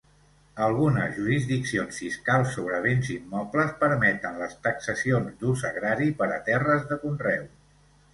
Algunes jurisdiccions fiscals sobre béns immobles permeten les taxacions d'ús agrari per a terres de conreu.